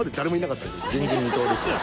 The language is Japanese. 前人未到ですね。